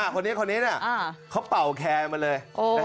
คนเนี้ยเขาเป่าแคมมาเลย